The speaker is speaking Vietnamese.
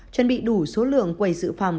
chuẩn bị đủ số lượng quầy dự phòng